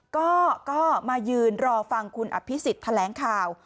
ก็มายืนรอฟังคุณอภิษฎแถลงข่าว